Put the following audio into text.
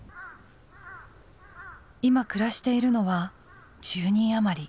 今暮らしているのは１０人余り。